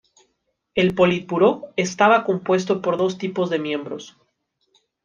El Politburó estaba compuesto por dos tipos de miembros.